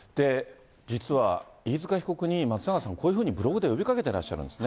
実は飯塚被告に松永さん、こういうふうにブログで呼びかけているんですね。